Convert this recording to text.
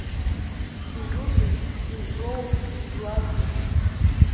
Сызлыҵыз, сызлоу, сызлаӡо…